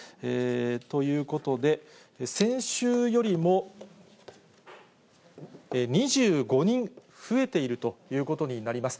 ということで、先週よりも２５人増えているということになります。